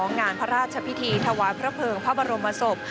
งานพระราชพิธีถวายพระเภิงพระบรมศพ